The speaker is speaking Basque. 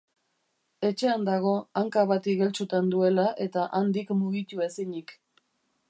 Etxean dago hanka bat igeltsutan duela eta handik mugitu ezinik.